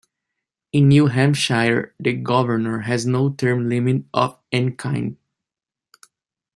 In New Hampshire, the governor has no term limit of any kind.